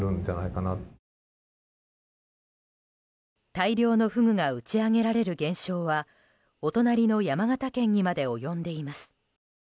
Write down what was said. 大量のフグが打ち揚げられる現象はお隣の山形県にまで及んでいます。